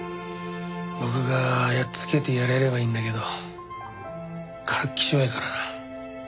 僕がやっつけてやれればいいんだけどからっきし弱いからな。